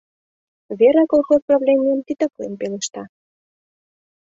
— Вера колхоз правленийым титаклен пелешта.